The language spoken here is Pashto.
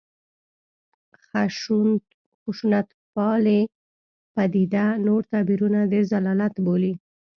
خشونتپالې پدیده نور تعبیرونه د ضلالت بولي.